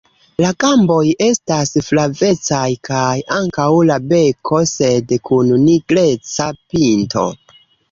La gamboj estas flavecaj kaj ankaŭ la beko, sed kun nigreca pinto.